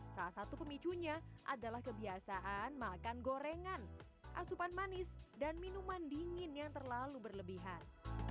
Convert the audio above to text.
salah satu pemicunya adalah kebiasaan makan gorengan asupan manis dan minuman dingin yang terlalu berlebihan